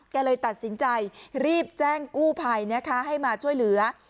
เลยตัดสินใจรีบแจ้งกู้ภัยนะคะให้มาช่วยเหลือ